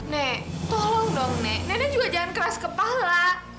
nek tolong dong nek nenek juga jangan keras kepala